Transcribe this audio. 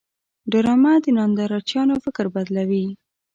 ډرامه د نندارچیانو فکر بدلوي